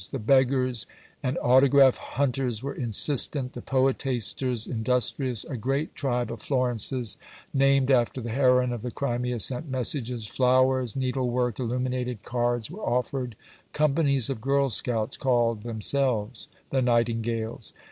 The beggars and autograph hunters were insistent; the poetasters, industrious. A great tribe of Florences, named after the heroine of the Crimea, sent messages. Flowers, needlework, illuminated cards were offered. Companies of girl scouts called themselves "The Nightingales."